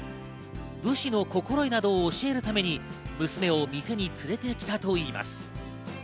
武士の心得などを教えるために娘を店に連れてきたといいます。